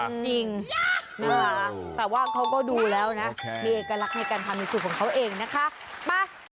จริงนะคะแต่ว่าเขาก็ดูแล้วนะมีเอกลักษณ์ในการทำในสูตรของเขาเองนะคะไป